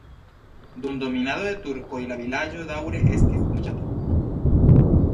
Dum dominado de turkoj la vilaĝo daŭre estis loĝata.